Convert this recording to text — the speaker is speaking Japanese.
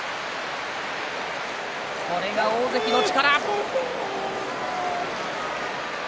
これが大関の力。